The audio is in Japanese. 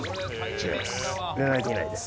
違います。